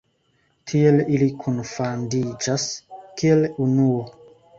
Tiel ili kunfandiĝas kiel unuo.